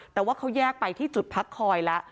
แต่ว่าเขาแยกไปที่จุดพักคอยแล้ว